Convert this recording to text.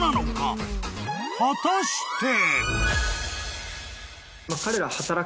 ［果たして！？］